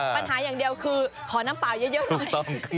ปัญหาอย่างเดียวคือขอน้ำเปล่าเยอะหน่อย